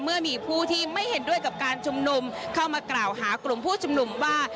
เมื่อมีผู้ที่ไม่เห็นด้วยกับการชุมนุมเข้ามากล่าวหากลุ่มผู้ชุมนุมว่า